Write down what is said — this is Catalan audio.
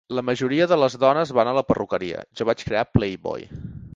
La majoria de les dones van a la perruqueria. Jo vaig crear "Playboy".